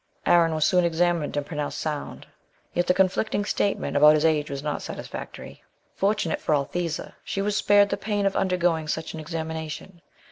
Aaron was soon examined and pronounced "sound"; yet the conflicting statement about the age was not satisfactory. Fortunate for Althesa she was spared the pain of undergoing such an examination.